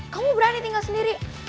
kamu berani tinggal sendiri